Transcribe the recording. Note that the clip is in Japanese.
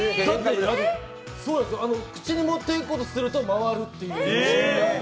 口に持っていこうとすると回るという。